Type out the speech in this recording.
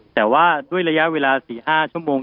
แต่ว่าด้วยระยะเวลา๔๕ชั่วโมง